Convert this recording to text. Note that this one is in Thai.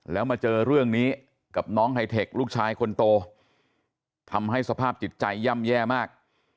แล้วมาเจอเรื่องนี้กับน้องไฮเทคลูกชายคนโตทำให้สภาพจิตใจย่ำแย่มาก